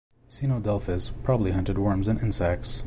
"Sinodelphys" probably hunted worms and insects.